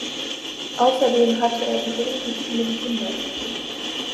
Außerdem hatte er die illegitimen Kinder